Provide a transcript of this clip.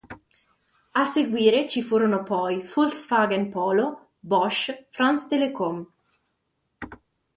A seguire ci furono poi Volkswagen Polo, Bosch, France Télécom.